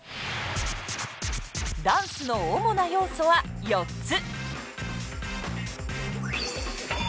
ダンスの主な要素は４つ。